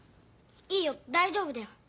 いいよだいじょうぶだよ。